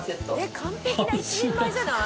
完璧な１人前じゃない？